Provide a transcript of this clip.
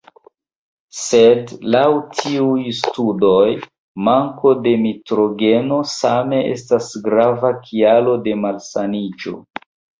Sed laŭ tiuj studoj, manko de nitrogeno same estas grava kialo de malsaniĝo.